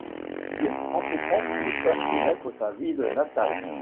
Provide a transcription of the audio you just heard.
Dion entreprend de faire connaître sa ville natale.